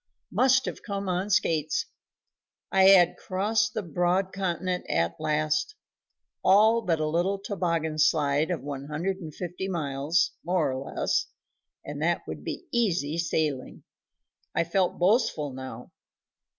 Must have come on Skates. I had crossed the broad continent at last all but a little toboggan slide of one hundred and fifty miles, more or less, and that would be easy sailing. I felt boastful now.